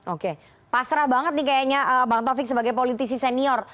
oke pasrah banget nih kayaknya bang taufik sebagai politisi senior